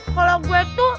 kalau gue tuh